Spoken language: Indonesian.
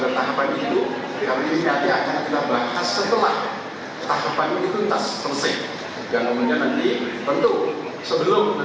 kita juga ingin menanggungkan tahapan kerjasama politik yang akan kita setenggarakan di tahun dua ribu dua puluh empat